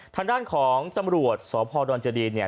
ทางด้านของตำรวจสดเจรีย์